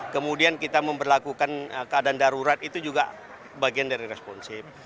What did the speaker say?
kemudian kita memperlakukan keadaan darurat itu juga bagian dari responsif